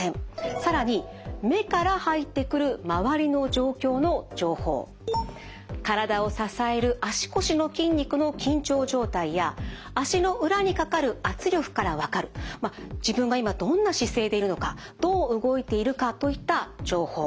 更に目から入ってくる周りの状況の情報体を支える足腰の筋肉の緊張状態や足の裏にかかる圧力から分かる自分が今どんな姿勢でいるのかどう動いているかといった情報。